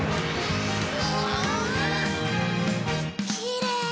きれい。